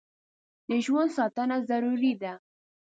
د ژوند ساتنه ضروري ده.